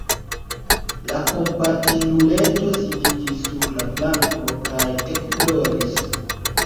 La kompatinduleto sidiĝis sur la planko kaj ekploris.